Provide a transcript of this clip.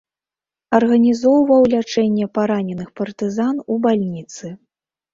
Арганізоўваў лячэнне параненых партызан у бальніцы.